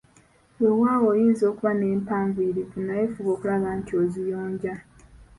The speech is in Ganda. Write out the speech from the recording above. Weewaawo oyinza okuba nempanvuyirivu naye fuba okulaba nti oziyonja